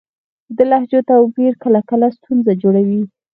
د لهجو توپیر کله کله ستونزه جوړوي.